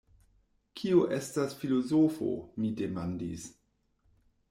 Kio estas filozofo? mi demandis.